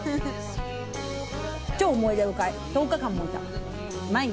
超思い出深い１０日間もいた。